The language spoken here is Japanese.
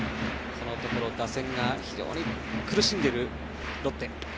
このところ打線が非常に苦しんでいるロッテ。